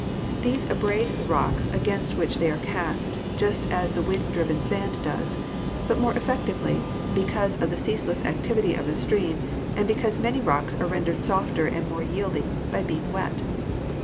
These abrade the rocks against which they are cast, just as the wind driven sand does, but more effectively, because of the ceaseless activity of the stream and because many rocks are rendered softer and more yielding by being wet.